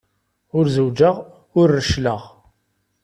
Ur zewǧeɣ, ur reccleɣ.